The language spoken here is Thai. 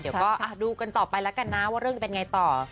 เดี๋ยวก็ดูกันต่อไปแล้วกันนะว่าเรื่องจะเป็นไงต่อ